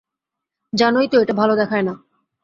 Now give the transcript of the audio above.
জানোই তো, এটা ভালো দেখায় না।